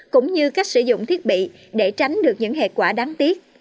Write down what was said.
cũng như cách sử dụng thiết bị để tránh được những hệ quả đáng tiếc